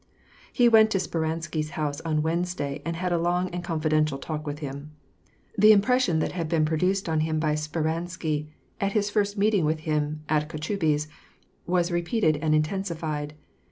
. He went to Speransky's house on Wednesday, and had a long and confidential talk with him. The impression that had been produced on him by Speransky at his first meeting with him at Kotchubey's, was repeated and intensified.